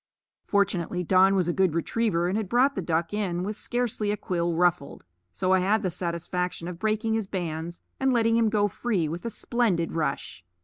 Fortunately Don was a good retriever and had brought the duck in with scarcely a quill ruffled; so I had the satisfaction of breaking his bands and letting him go free with a splendid rush.